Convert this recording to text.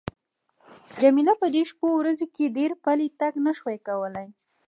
جميله په دې شپو ورځو کې ډېر پلی تګ نه شوای کولای.